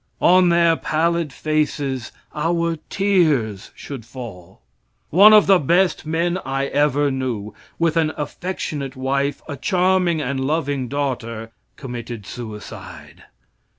On their pallid faces our tears should fall. One of the best men I ever knew, with an affectionate wife, a charming and loving daughter, committed suicide.